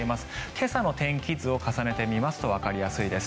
今朝の天気図を重ねてみますとわかりやすいです。